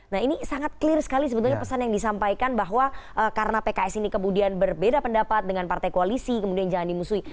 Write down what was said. nah ini sangat clear sekali sebetulnya pesan yang disampaikan bahwa karena pks ini kemudian berbeda pendapat dengan partai koalisi kemudian jangan dimusuhi